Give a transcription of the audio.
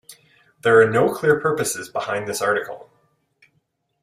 There are no clear purposes behind this article.